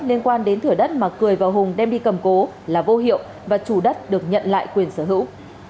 liên quan đến thửa đất mà cười và hùng đem đi cầm cố là vô hiệu và chủ đất được nhận lại quyền sở hữu